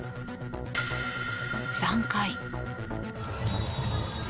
３回。